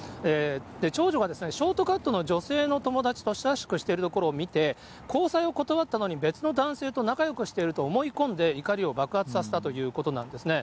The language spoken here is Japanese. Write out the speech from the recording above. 長女がショートカットの女性の友達と親しくしているところを見て、交際を断ったのに別の男性と仲よくしていると思い込んで、怒りを爆発させたということなんですね。